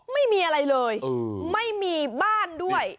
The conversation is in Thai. ไม่มีอะไรเลยไม่มีบ้านด้วย